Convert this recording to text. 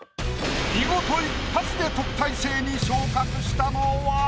見事一発で特待生に昇格したのは。